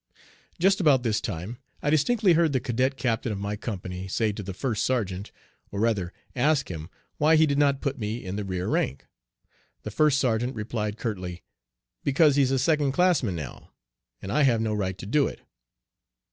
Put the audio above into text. Just about this time I distinctly heard the cadet captain of my company say to the first sergeant, or rather ask him why he did not put me in the rear rank. The first sergeant replied curtly, "Because he's a second classman now, and I have no right to do it."